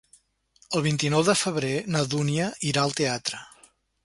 El vint-i-nou de febrer na Dúnia irà al teatre.